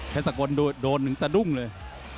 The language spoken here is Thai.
เพชรสะโกนโดนหนึ่งแสดงเลย